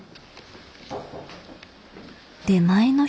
出前の人？